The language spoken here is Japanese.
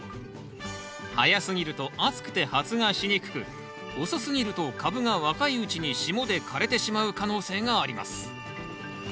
早すぎると暑くて発芽しにくく遅すぎると株が若いうちに霜で枯れてしまう可能性があります。